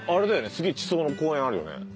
すげえ地層の公園あるよね？